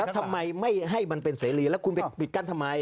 ทำไมไม่ให้มันเป็นเสรีแล้วคุณไปปิดกั้นทำไม